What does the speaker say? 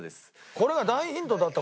これが大ヒントだった事がない。